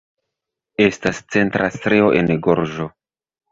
Estas centra strio en gorĝo.